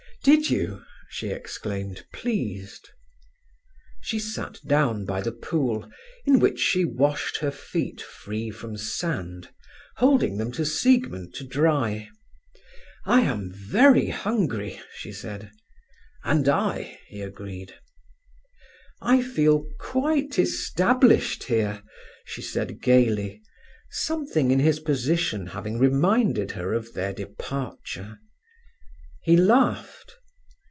"Did you?" she exclaimed, pleased. She sat down by the pool, in which she washed her feet free from sand, holding them to Siegmund to dry. "I am very hungry," she said. "And I," he agreed. "I feel quite established here," she said gaily, something in his position having reminded her of their departure. He laughed.